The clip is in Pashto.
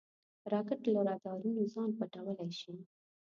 راکټ له رادارونو ځان پټولی شي